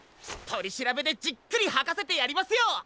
とりしらべでじっくりはかせてやりますよ！